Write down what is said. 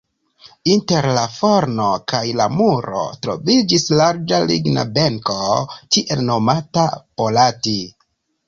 Inter la forno kaj la muro troviĝis larĝa ligna benko, tiel nomata "polati".